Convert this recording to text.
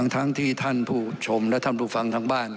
ทั้งที่ท่านผู้ชมและท่านผู้ฟังทั้งบ้าน